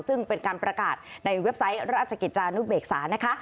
ซึ่งเป็นการประกาศในเว็บไซต์ราชกิจจานุเบกษานะคะ